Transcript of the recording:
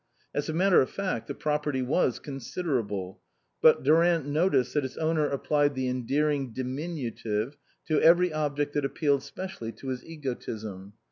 As a matter of fact, the property was consider able ; but Durant noticed that its owner applied the endearing diminutive to every object that appealed specially to his egotism.